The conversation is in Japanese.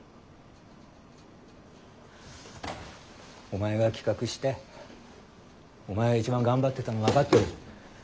お前が企画してお前が一番頑張ってたの分かってる。